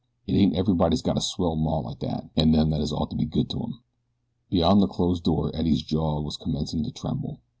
It ain't everybody's got a swell maw like that, an' them as has ought to be good to 'em." Beyond the closed door Eddie's jaw was commencing to tremble.